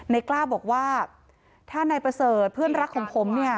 กล้าบอกว่าถ้านายประเสริฐเพื่อนรักของผมเนี่ย